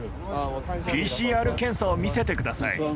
ＰＣＲ検査を見せてください。